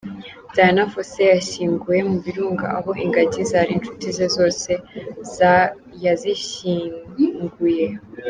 Diana Fossey yashyinguwe mu Birunga aho ingagi zari inshuti ze zose yazishyinguye.